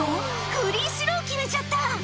フリースロー決めちゃった。